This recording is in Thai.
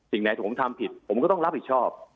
หรือทำผิดผมก็ต้องรับผิดชอบ